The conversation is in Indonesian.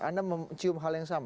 anda mencium hal yang sama